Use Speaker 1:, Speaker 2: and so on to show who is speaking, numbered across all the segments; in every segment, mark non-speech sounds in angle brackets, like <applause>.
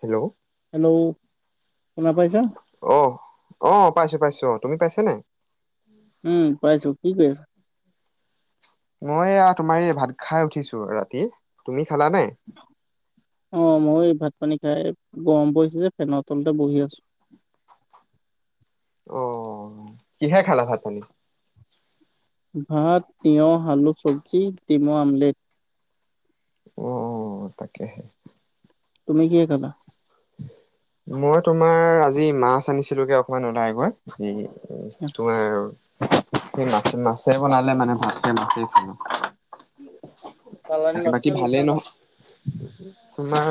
Speaker 1: Hello
Speaker 2: hello! শুনা পাইছা?
Speaker 1: অ' অ' পাইছো পাইছো। অ' তুমি পাইছা নে?
Speaker 2: উম' পাইছো, কি কৰি আছা?
Speaker 1: মই এ তোমাৰ এই ভাত খাই উঠিছো ৰাতিৰ, তুমি খালা নাই?
Speaker 2: অ মই ভাত পানী খাই গৰম পৰিছে যে, ফেনৰ তলতে বহি আছো।
Speaker 1: অ' কিহে খালা ভাত পানী?
Speaker 2: ভাত তিঁয়হ, আলু সৱজি, ডিমৰ আমলেট।
Speaker 1: উ! তাকেহে।
Speaker 2: তুমি কিহে খালা?
Speaker 1: মই তোমাৰ আজি, মাছ আনিছিলোগে অকমান ওলাই গৈ উম তোমাৰ আৰু। সেই মাছে মাছে বনালে মানে ভাতটো মাছেই খালো।
Speaker 2: চালানী
Speaker 1: তাকে
Speaker 2: মাছ
Speaker 1: বাকী
Speaker 2: নে
Speaker 1: ভালেই
Speaker 2: লোকেল মাছ?
Speaker 1: নহয়। তোমাৰ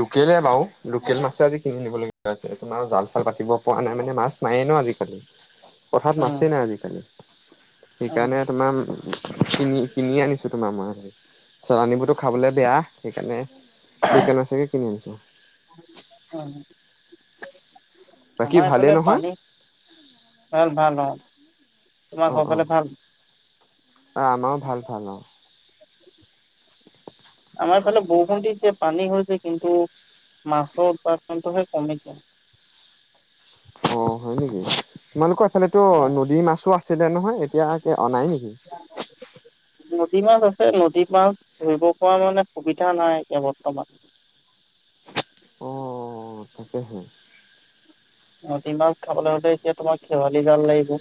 Speaker 1: লোকেলে বাৰু লোকেল মাছে আজি কিনি নিবলগীয়া হৈছে তোমাৰ জাল চাল পাতিব পৰা নাই মানে মাছ নায়েই ন আজিকালি। পথাত
Speaker 2: উম,
Speaker 1: মাছে নাই আজিকালি।
Speaker 2: উম,
Speaker 1: সেইকাৰণে তোমাম। কিনি কিনি আনিছো তোমাৰ মাছ চালানিবোৰতো খাবলৈ বেয়া সেইকাৰণে। দোকান আছে।
Speaker 2: উম।
Speaker 1: <unintelligible>
Speaker 2: আমাৰ
Speaker 1: ভালেই
Speaker 2: এইফালে
Speaker 1: নহয়?
Speaker 2: পানী ভাল ভাল অ'। তোমাৰ
Speaker 1: অ'
Speaker 2: ঘৰ
Speaker 1: অ'
Speaker 2: ফালে ভাল?
Speaker 1: আমাৰো ভাল ভাল অ।
Speaker 2: আমাৰ ফালে বৰষুণ দিছে পানী হৈছে কিন্তু মাছৰ উৎপাদনটোহে কমিছে।
Speaker 1: অ' হয় নেকি তোমালোকৰ ইফালো নদীৰ মাছো আছে। <unintelligible> নহয় এতিয়া অ' নাই নেকি?
Speaker 2: নদী মাছ আছে নদী মাছ ধৰিব পৰা মানে সুবিধা নাই এতিয়া বৰ্তমান।
Speaker 1: অ' তাকে হে।
Speaker 2: নদী মাছ খাবলৈ হলে এতিয়া তোমাক শেৱালি জাল লাগিব।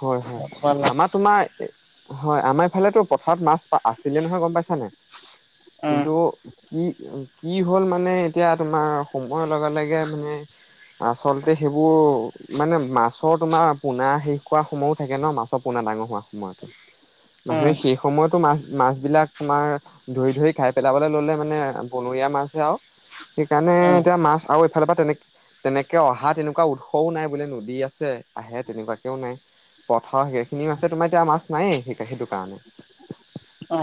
Speaker 1: হয়, হয়
Speaker 2: তোমাৰ
Speaker 1: আমাৰ তোমাৰ হয় আমাৰ ইফালে টো পথাৰত মাছ আছিলে নহয় গম পাইছানে নাই। কিন্তু
Speaker 2: উম,
Speaker 1: কি কি হ'ল মানে এতিয়া তোমাৰ সময়ৰ লগে লগে মানে আচলতে সেইবোৰ মানে মাছৰ তোমাৰ পোনা শেষ। কিবা সময়ো থাকে ন মাছৰ পোনা ডাঙৰ হোৱা সময়তো।
Speaker 2: উম,
Speaker 1: মানুহে সেই সময়তো মাছ মাছবিলাক তোমাৰ ধৰি ধৰি খাই পেলাবলৈ ল'লে মানে বনৰীয়া মাছহে আৰু সেইকাৰণে
Speaker 2: উম,
Speaker 1: এতিয়া মাছ আৰু এইফালৰ পৰা তেনে তেনেকে অহা তেনেকুৱা উৎসও নাই বোলে নদী আছে আহে তেনেকুৱাকেও নাই। হয় সেইখিনি মাছে তোমাৰ এতিয়া মাছ। নাই এতিয়া সেইটো। প্ৰাণ
Speaker 2: অ,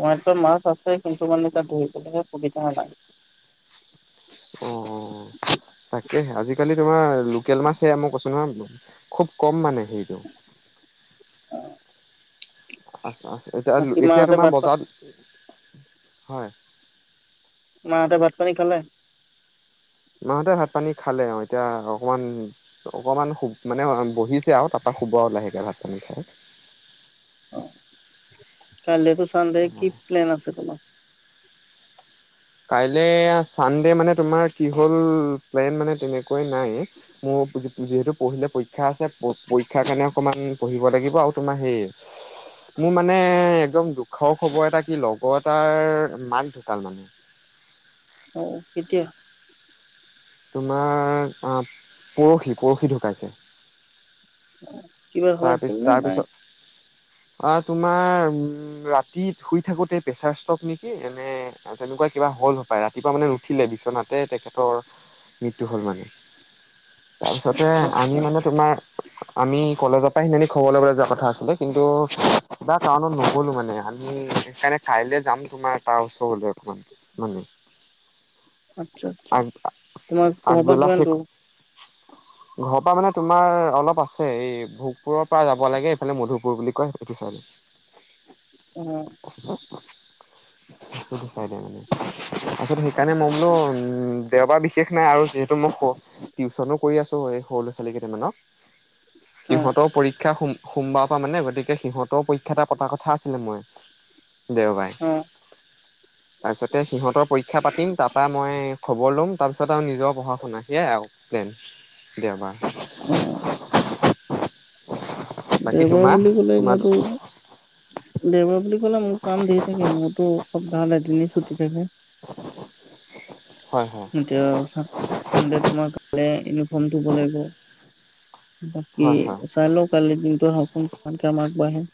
Speaker 2: আমাৰ তাত মাছ আছে কিন্তু মানে তাত ধৰিব গ'লে সুবিধা নাই।
Speaker 1: অ, অ, অ তাকেহে আজিকালি তোমাৰ লোকেল মাছহে মই কৈছো নহয় খুব কম মানে। সৰি দওঁ <unintelligible> আচ্ছা, আচ্ছা এতিয়া
Speaker 2: বাকী
Speaker 1: এতিয়া
Speaker 2: মাহঁতে
Speaker 1: তোমাৰ
Speaker 2: ভাত পা
Speaker 1: বজাৰত হয়।
Speaker 2: মাহঁতে ভাত পানী খালে?
Speaker 1: মাঁহতে ভাত পানী খালে। এতিয়া অকমান অকমান মানে শু মানে ব হিছে আৰু তাৰ পৰা শুব আৰু লাহেকৈ ভাত পানী থ <unintelligible>
Speaker 2: অ' কাইলে টো চান ডে কি প্লেন আছে তোমাৰ?
Speaker 1: প্লেন মানে তেনেকৈ নাই মোৰ যিহেতু পৰহিলৈ পৰীক্ষা আছে পঢ়িব লাগিব আৰু তোমাৰ হেৰি মোৰ মানে একদম দুখও খবৰ এটা কি লগৰ এটাৰ মাক ঢুঁকাল মানে
Speaker 2: অ কেতিয়া
Speaker 1: তোমাৰ পৰহি পৰহি ঢুকাইছে
Speaker 2: উম কিবা হৈ আছিল নে নাই
Speaker 1: অ তোমাৰ ৰাতি শুই থাকোঁতে প্ৰেছাৰ ষ্টক নেকি এনে তেনেকুৱা কিবা হ'ল হ পায় ৰাতিপুৱা মানে নুঠিলে বিচনাাতে তেখেতৰ মৃত্যু হ'ল মানে তাৰপিছতে
Speaker 2: আচ্ছা,
Speaker 1: আমি
Speaker 2: আচ্ছা,
Speaker 1: মানে তোমাৰ আমি কলেজৰ পৰা সিি খবৰ লবলৈ যোৱা কথা আছিলে কিন্তু কিবা কাৰনত নলো মানে আমি সেইকাৰণে কাইলৈ যাম তোমাৰ তাৰ ওচৰলৈ অকমান মানে
Speaker 2: আচ্ছা আচ্ছা
Speaker 1: আগ
Speaker 2: তোমাৰ ক পৰা
Speaker 1: আগবেলা
Speaker 2: কিমান
Speaker 1: শেষ
Speaker 2: ৰো
Speaker 1: ঘৰৰ পৰা মানে তোমাৰ অলপ আছে এই ভোগপুৰৰ পৰা যাব লাগে এইফালে মধুপুৰ বুলি কয় এইটো চাই
Speaker 2: উম
Speaker 1: উ মানে তাৰপিছত সেইকাৰণে মই বোলো দেওবাৰ বিশেষ নাই আৰু যিহেতু মই টিউচনো কৰি আছো এই সৰু ল'ৰা ছোৱালী কেইটামানক
Speaker 2: অ,
Speaker 1: সিহঁতৰ পৰীক্ষাম সোমবাৰৰ পৰা মানে গতিকে সিহঁতৰ পৰীক্ষা এটা কটাাৰ কথা আছিলে মই দেওবাই
Speaker 2: অ,
Speaker 1: তাৰপিছতে সিহঁত উতৰ পৰীক্ষা পাতিম তাৰপৰা মই ম তাৰপিছত আৰু নিজৰ পঢ়া শুনাকিয়ে আৰু প্লেন দ বাৰ
Speaker 2: অ
Speaker 1: হয়
Speaker 2: দেগা বুলি ক'লে এনেো দেব বুলি লে মোৰ কাম দেৰি থাকে মোৰতো সপ্তাহৰ এদিন ছুটি থাকে।
Speaker 1: হয় হয়
Speaker 2: এতিয়া ছানডে তোমাক? মে ফোন দব লাগিব। বাকি
Speaker 1: হয় হয়
Speaker 2: চাইল কালিৰ দিনটো সোন কমাৰ <inaudible>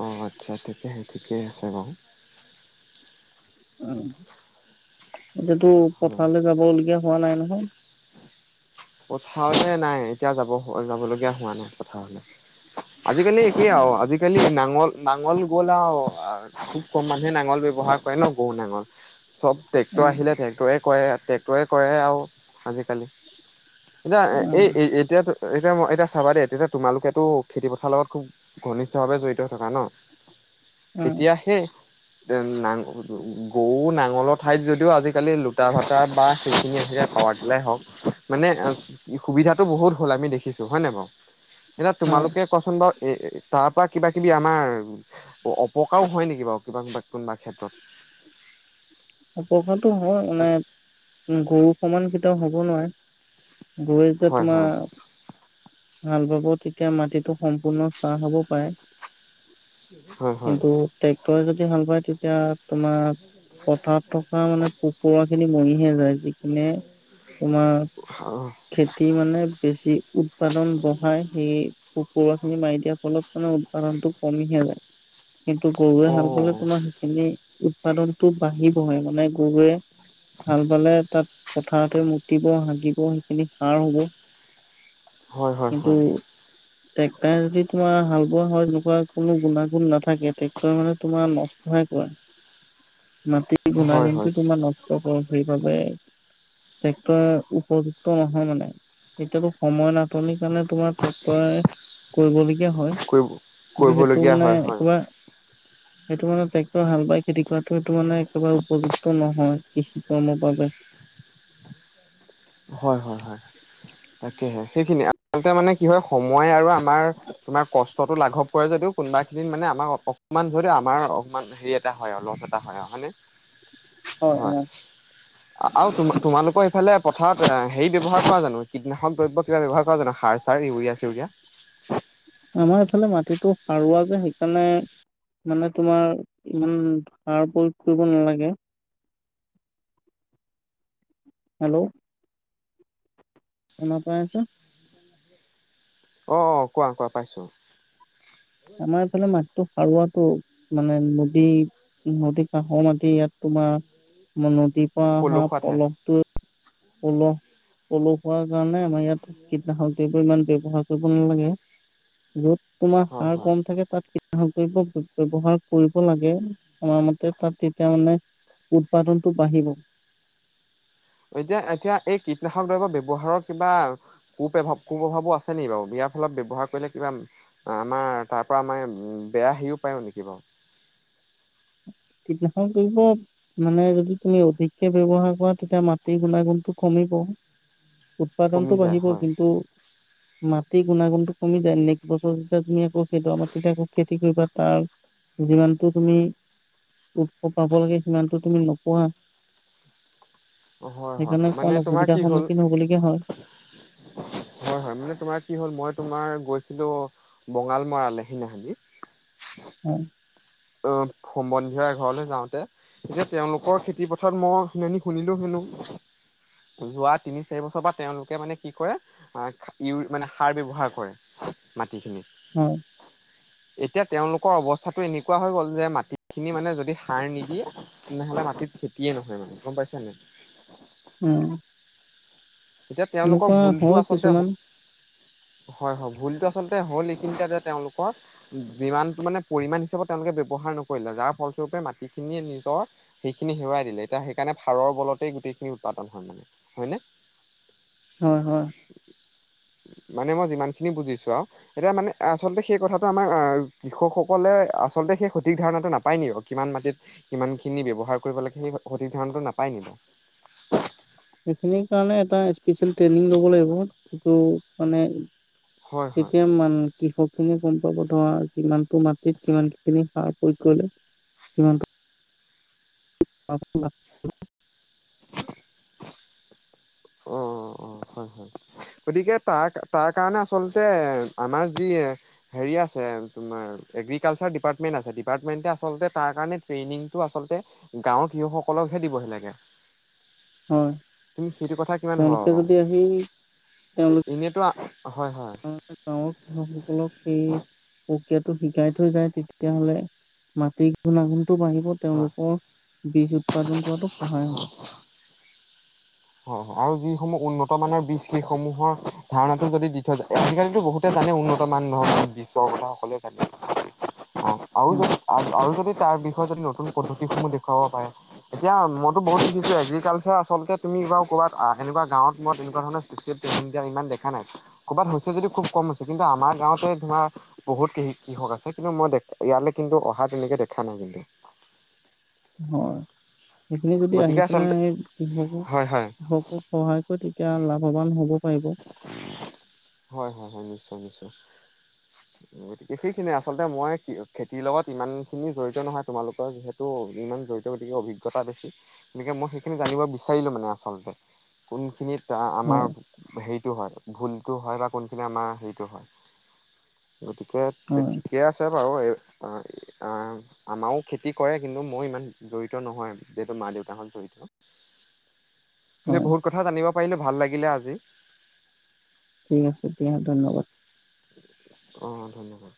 Speaker 1: অঁ, আচ্ছা, ঠিকে, ঠিকেই আছে বাৰু।
Speaker 2: উ। এতিটো
Speaker 1: হয়
Speaker 2: পথাৰলৈ যাবলগীয়া। হোৱা নাই, নহয়।
Speaker 1: পথাৰলৈ নাই, এতিয়া যাব যাবলগীয়া হোৱা নাই পথাৰলৈ। আজিকালি একে
Speaker 2: উম,
Speaker 1: আৰু আজিকালি নাঙল। নাঙল গ'ল আৰু, খুব, কম মানুহে নাঙল ব্যৱহাৰ কৰে ন গৰু নাঙল। চব, ট্ৰেক্ৰৰ
Speaker 2: উম,
Speaker 1: আহিলে ট্ৰে্ৰে। কৰে, ট্ৰেক্টৰে কৰে, আৰু আজিকালি। এতিয়া, এই, এতিয়াতো তেতিয়া মই এতিয়া চাবা দে, তেতিয়া, তোমালোকেতো খেতিপথাৰ লগত খুব ঘনিষ্ঠ ভাৱে জড়িত হৈ থকা ন।
Speaker 2: উম,
Speaker 1: এতিয়াহে। না, গৰু নাঙলৰ ঠাইত যদিও, আজিকালি লোটা ভটা বা সেইখিনি আহে পাৱাৰ লাই হওক মানে সুবিধাতটো বহুত হ'ল আমি দেখিছো হয় নে বাৰু। এতিয়া
Speaker 2: হয়
Speaker 1: তোমালোকে কোৱাচোন বাৰু। এ, তাৰ পৰা কিবা, কিবি আমাৰ অপকাৰও হয়, নেকি বাৰু কোনোবা ক্ষেত্ৰত।
Speaker 2: অ, কখন। হয় মানে গৰু সমান কিত হ'ব নোৱাৰে। বৈয়ে যে,
Speaker 1: হয় হয়
Speaker 2: তোমাৰ? হাল বাব তেতিয়া মাটিটো সম্পূৰ্ণ চাহ, হব পাৰে।
Speaker 1: হয় হয়
Speaker 2: কিন্তু, ট্ৰেক্টৰ য ভাল পায়, তেতিয়া তোমাৰ পথাৰত থকা মানে কুকৰা স-খিনি মৰিহে যায়। নে, তোমাৰ খেতি মানে বেছি উৎপাদন বঢ়াই, সেই পকৰুৱা খিনি মাৰি দিয়াৰ ফলত মানে কাৰণটো কমিহে যায়। কিন্তু গৰুৱে
Speaker 1: অ
Speaker 2: হাল পে, তোমাৰ সেইখিনি উৎপাদনতটো বাঢ়িবহে মানে, গৰুৱে ভাল পালে, তাত পথাৰতে মুতিব হাগিব সেইখিনি সাৰ হব।
Speaker 1: হয় হয় হয়।
Speaker 2: ট্ৰেক্টাৰ যদি তোমাৰ হাল বোৱা হয় তেনেকুৱা কোনো গুণাগুণ নাথ থাকে ট্ৰেক্টৰ মানে তোমাৰ নষ্টহে কৰে। মাটি
Speaker 1: হয় হয়
Speaker 2: গুণাগুণটো তোমাৰ নষ্ট কৰে। সেইবাবে ট্ৰেক্টৰ উপযুক্ত নহয় মানে এতিয়াতো সময় নাটনিৰ কাৰণে তোমাৰ ট্ৰেক্টৰে কৰিবলীয়া
Speaker 1: কৰিব। কৰিবলগীয়া হয় হয়।
Speaker 2: একেবাৰে সেইটো মানে ট্ৰেক্টৰ হাল বাই খেতি কৰাতটো সেইটো মানে একেবাৰে উপযুক্ত নহয় কৃষি কৰ্মৰ বাবে
Speaker 1: হয় হয় হয় তাকেহে সেইখিনি আচলতে মানে কি হয়, সময় আৰু আম তোমাৰ, তোমাৰ কষ্টটো লাঘৱ কৰে যদিও কোনোবা খিনিত মানে আমাক অকমান যদিও আমাৰ অকমান হেৰি এটা হয়, আৰু লছ এটা হয় আৰু হয়নে? হয়, আৰু তো তোমালোকৰ ফালে পথাৰত অ', হেয়ি ব্যৱহাৰ কৰা জানো? কীটনাশক দ্ৰব্য কিবা ব্যৱহাৰ কৰা জানো? সাৰ চাৰ ইউৰিয়া চিউৰিয়া।
Speaker 2: আমাৰ এইফালে মাটিটো সাৰুৱা যে, সেইকাৰণে মানে তোমাৰ ইমান সাৰ প্ৰয়োগ কৰিব নালাগে। হেল্ল'। শুনা পাই আছা?
Speaker 1: অ', অ', কোৱা কোৱা পাইছোঁ।
Speaker 2: আমাৰ এইফালে মাত টো সাৰুৱাটো মানে নদী, নদী কাষৰ মাটি ইয়াত তোমাৰ নদী <unintelligible> অহা
Speaker 1: পলসুৱা ঠাই
Speaker 2: পলসটো পল পলসুৱা কাৰণে আমাৰ ইয়াত কীটনাশক দ্ৰব্য ইমান ব্যৱহাৰ কৰিব নালাগে য'ত তোমাৰ
Speaker 1: হয়
Speaker 2: সাৰ
Speaker 1: হয়
Speaker 2: কম থাকে তাত কীট গ কৰিব ব্যৱহাৰ কৰিব লাগে সময়মতে তাত তেতিয়া মানে উৎপাদনটো বাঢ়িব।
Speaker 1: যে, এতিয়া এই কীটনাশক দ্ৰব্যৰ ব্যৱহাৰৰ কিবা কুপ্ৰভাৱ কুপ্ৰভাৱো আছে নেকি বাৰু? ইয়াৰ ফলত ব্যৱহাৰ কৰিলে কিবা আমাৰ তাৰ পৰা আমাৰ বেয়া হেয়িও পায়ো নেকি বাৰু
Speaker 2: কীটনাশক কৰিব মানে যদি তুমি অধিককে ব্যৱহাৰ কৰা তেতিয়া মাটিৰ গুণাগুণটো কমিব।
Speaker 1: কমি
Speaker 2: উৎপাদনতটো
Speaker 1: যায়
Speaker 2: বাঢ়িব
Speaker 1: হয়
Speaker 2: কিন্তু মাটিৰ গুণাগুণটো কমি যায়, নেক্সট বছৰ যেতিয়া তুমি আকৌ খেদোৱা মাটিতে আকৌ খেতি কৰিবা তাৰ যিমানটো তুমি উৎস পাব লাগে সিমানটো তুমি নপোৱা।
Speaker 1: হয়, হয়, হয়। মানে তোমাৰ কি হ'ল,
Speaker 2: সন্মুখীন হবলগীয়া হয়
Speaker 1: হয়, হয় মানে তোমাৰ কি হ'ল, মই তোমাৰ গৈছিলো বঙাল মৰালে সিনাখনি
Speaker 2: উম।
Speaker 1: অ', সম্বন্ধীয় এঘৰলৈ যাওঁতে এতিয়া তেওঁলোকৰ খেতি পথাৰত মই সি শুনিলো হেনো যোৱা তিনি চাৰি বছৰ পৰা তেওঁলোকে মানে কি কৰে আ ইউ মানে সাৰ ব্যৱহাৰ কৰে মাটিখিনিত।
Speaker 2: হয়।
Speaker 1: এতিয়া তেওঁলোকৰ অৱস্থাটো এনেকুৱা হৈ গ'ল যে, মাটিখিনি মানে যদি সাৰ নিদিয়ে তেনেহ'লে মাটিত খেতিয়ে নহয় মানে গম পাইছা নে নাই?
Speaker 2: উম।
Speaker 1: এতিয়া তেওঁলোকৰ
Speaker 2: এনেকুৱা
Speaker 1: ভুলটো
Speaker 2: হয়,
Speaker 1: আচলতে
Speaker 2: কিছুমান।
Speaker 1: হয়, হ ভুলটো আচল তে হ'ল, এইখিনিতে যে, তেওঁলোকৰ, যিমানটো মানে পৰিমাণ হিচাপত তেওঁলোকে ব্যৱহাৰ নকৰিলে যাৰ ফলস্বৰূপে মাটিখিনিয়ে নিজৰ হেইখিনি হেৰুৱাই দিলে এতিয়া হেইকাৰণে ফাৰৰ বলতেই গোটেইখিনি উৎপাদন হয় মানে হয়নে?
Speaker 2: হয়, হয়।
Speaker 1: মানে মই যিমানখিনি বুজিছোঁ আও এতিয়া মানে আচলতে সেই কথাটো আমাৰ আ-কৃষকসকলে আচলতে সেই সঠিক ধাৰণাটো নাপায় নি বাৰু কিমান মাটিত কিমানখিনি ব্যৱহাৰ কৰিব লাগে সেই সঠিক ধাৰণাটো নাপায় নি বাৰু
Speaker 2: সেখিনিৰ কাৰণে এটা স্পিচিয়েল ট্ৰেইনিং ল'ব লাগিব যিটো মানে
Speaker 1: হয় হয়
Speaker 2: তেতিয়া মান কৃষক <unintelligible> গম পাব ধৰা যিমানটো মাটিত কিমানখিনি সাৰ প্ৰয়োগ কৰিলে কিমান
Speaker 1: অ অ হয় হয় গতিকে তাৰ, তাৰ কাৰণে আচলতে আমাৰ যি হেৰি আছে তোমাৰ এগ্ৰিকালচাৰ ডিপাৰ্টমেণ্ট আছে ডিপাৰ্টমেণ্টে আচলতে তাৰ কাৰণে ট্ৰেইনিংটো আচলতে গাঁৱৰ কৃহকসকলকহে দিবহি লাগে।
Speaker 2: হয়,
Speaker 1: তুমি সেইটো কথা কিমান ভাবা
Speaker 2: তেওঁলোকে
Speaker 1: বাও?
Speaker 2: যদি আহি
Speaker 1: এ-এনেটো আ
Speaker 2: আমা যে গাঁৱত কৃষকসকলক সেই ক্ৰিয়াটো শিকাই থৈ যায় তেতিয়াহ'লে মাটি গুণাগুণ টো বাঢ়িব তেওঁলোকৰ বীজ উৎপাদন কৰাটো সহায় হ'ব।
Speaker 1: হ, হ আও যিসমূহ উন্নত মানৰ বীজ সেইসমূহৰ ধাৰণাটো যদি দি থৈ যায় আজিকালিতো বহুতে জানে উন্নত মান ধৰণৰ বীজৰ কথা সকলোৱে জানে। অ' আও
Speaker 2: অ',
Speaker 1: যদি, আ-আৰু যদি তাৰ বিষয়ে যদি নতুন পদ্ধতিসমূহ দেখুৱাব পাৰে। এতিয়া মইতো বহুত শিকিছো এগ্ৰিকালচাৰ আচলতে তুমি বাও ক'বাত আ-এনেকুৱা গাঁৱত মই তেনেকুৱা ধৰণে <unintelligible> দিয়া ইমান দেখা নাই। ক'বাত হৈছে যদি খুব কম হৈছে কিন্তু আমাৰ গাওঁতে ধৰা বহুত কৃ-কৃষক আছে কিন্তু মই দে-ইয়ালৈ কিন্তু অহা তেনেকে দেখা নাই কিন্তু।
Speaker 2: হয়। হেখিনি যদি আহি
Speaker 1: গতিকে
Speaker 2: পেলাই
Speaker 1: আচলতে
Speaker 2: হেই
Speaker 1: হয় হয়
Speaker 2: কৃহক'-কৃষকক সহায় কৰে তে তিয়া লাভৱান হ'ব। পাৰিব
Speaker 1: হয়, হয়, হয়, নিশ্চয়, নিশ্চয়। গতিকে সেইখিনিয়ে আচলতে মই খেতিৰ লগত ইমানখিনি জড়িত নহয়। তোমালোকৰ যিহেতু ইমান জড়িত গতিকে অভিজ্ঞতা বেছি। গতিকে মই সেইখিনি জানিব বিচাৰিলোঁ মানে আচলতে কোনখিনিত তে
Speaker 2: হয়
Speaker 1: আ-আমাৰো হেইটো হয়, ভুলটো হয় বা কোনখিনি আমাৰ হেইটো হয়। গতিকে
Speaker 2: হয়
Speaker 1: ঠি-ঠিকে আছে বাৰু এই অ' আ-আমাও খেতি কৰে কিন্তু মই ইমান জড়িত নহয় যিহেতু মা দেউতাহত জড়িত। কিন্তু
Speaker 2: হয়
Speaker 1: বহুত কথা জানিব পাইলো ভাল লাগিলে আজি।
Speaker 2: ঠিক আছে দিয়া ধন্যবাদ।
Speaker 1: অঁ ধন্যবাদ।